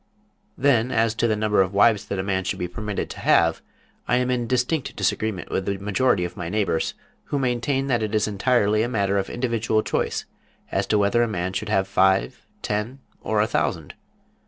Then as to the number of wives that a man should be permitted to have, I am in distinct disagreement with the majority of my neighbors, who maintain that it is entirely a matter of individual choice as to whether a man should have five, ten or a thousand.